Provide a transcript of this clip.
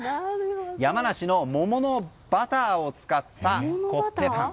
山梨のモモのバターを使ったコッペパン。